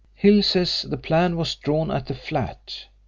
Hill says the plan was drawn at the flat.